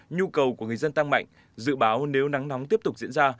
nhu cầu của người dân tăng mạnh dự báo nếu nắng nóng tiếp tục diễn ra